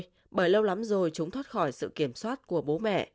thôi bởi lâu lắm rồi chúng thoát khỏi sự kiểm soát của bố mẹ